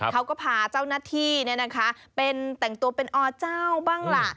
เขาก็พาเจ้าหน้าที่เป็นแต่งตัวเป็นอเจ้าบ้างล่ะ